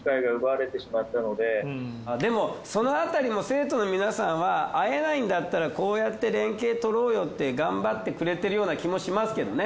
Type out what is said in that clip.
でもその辺りも生徒の皆さんは会えないんだったらこうやって連携取ろうよって頑張ってくれてるような気もしますけどね。